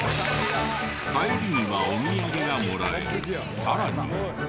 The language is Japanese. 帰りにはお土産がもらえさらに。